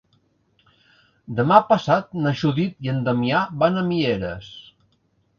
Demà passat na Judit i en Damià van a Mieres.